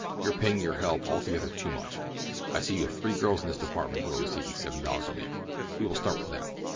You are paying your help altogether too much. I see you have three girls in this department who are receiving seven dollars a week—we will start with them."